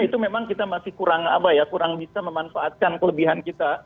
itu memang kita masih kurang bisa memanfaatkan kelebihan kita